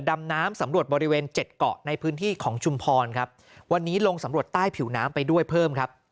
ดำน้ำสำรวจบริเวณเจ็ดเกาะในพื้นที่ของชุมพรครับวันนี้ลงสำรวจใต้ผิวน้ำไปด้วยเพิ่มครับ